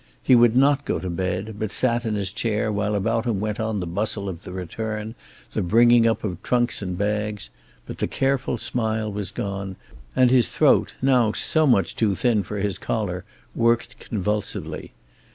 He would not go to bed, but sat in his chair while about him went on the bustle of the return, the bringing up of trunks and bags; but the careful smile was gone, and his throat, now so much too thin for his collar, worked convulsively.